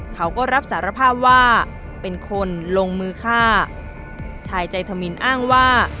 เขาก็รับสารภาพว่าเป็นคนลงมือฆ่าชายใจธมินอ้างว่า